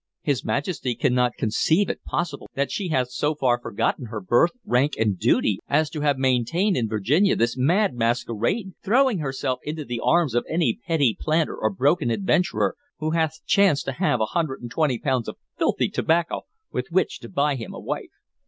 His Majesty cannot conceive it possible that she hath so far forgotten her birth, rank, and duty as to have maintained in Virginia this mad masquerade, throwing herself into the arms of any petty planter or broken adventurer who hath chanced to have an hundred and twenty pounds of filthy tobacco with which to buy him a wife.